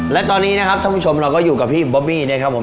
และตอนนี้นะครับท่านผู้ชมเราก็อยู่กับพี่บอบบี้นะครับผม